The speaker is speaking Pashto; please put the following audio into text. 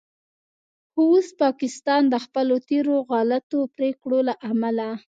خو اوس پاکستان د خپلو تیرو غلطو پریکړو له امله